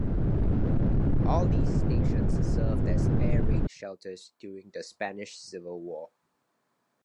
All these stations served as air raid shelters during the Spanish Civil War.